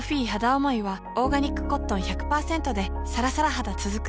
おもいはオーガニックコットン １００％ でさらさら肌つづく